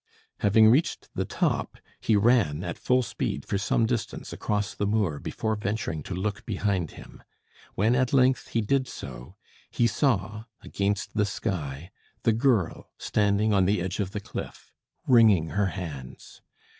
Having reached the top, he ran at full speed for some distance across the moor before venturing to look behind him. When at length he did so, he saw, against the sky, the girl standing on the edge of the cliff, wringing her hands.